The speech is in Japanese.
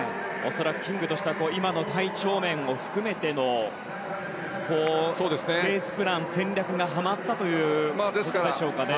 恐らくキングとしては今の体調面を含めてのレースプラン、戦略がはまったということでしょうかね。